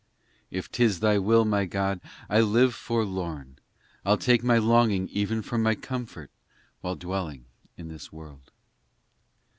IV If tis Thy will, my God, I live forlorn, I ll take my longings even for my comfort While dwelling in this world.